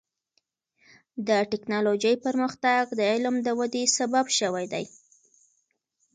د ټکنالوجۍ پرمختګ د علم د ودې سبب شوی دی.